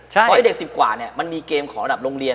เพราะเด็ก๑๐กว่ามันมีเกมของระดับโรงเรียน